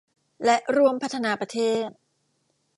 และร่วมพัฒนาประเทศ